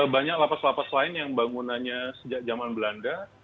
banyak lapas lapas lain yang bangunannya sejak zaman belanda